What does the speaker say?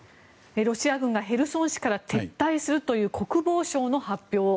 ロシア軍がヘルソン市から撤退するという国防相の発表。